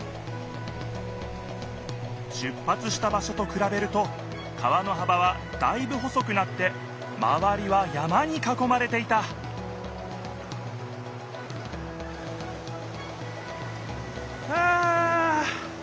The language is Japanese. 出ぱつした場しょとくらべると川のはばはだいぶ細くなってまわりは山にかこまれていたはあ！